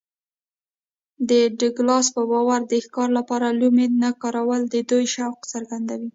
د ډاګلاس په باور د ښکار لپاره لومې نه کارول د دوی شوق څرګندوي